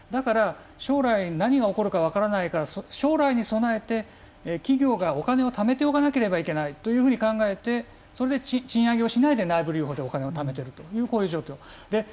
将来何が起こるか分からないから将来に備えて企業がお金をためておかなければいけないと考えて、それで賃上げをしないで内部留保でお金をためているという状況。